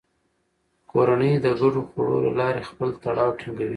کورنۍ د ګډو خوړو له لارې خپل تړاو ټینګوي